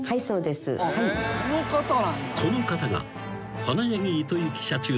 ［この方が］